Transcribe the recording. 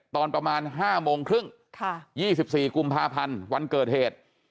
ตอนประมาณห้าโมงครึ่งค่ะยี่สิบสี่กุมภาพันธ์วันเกิดเหตุ